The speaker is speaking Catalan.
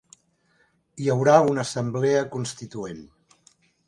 Hi haurà una Assemblea Constituent